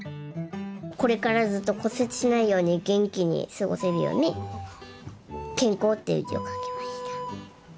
これからずっと骨折しないように元気に過ごせるように「健康」っていう字を書きました